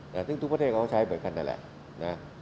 แต่ซึ่งทุกประเทศเขาก็ใช้เหมือนกันนั่นแหละนะ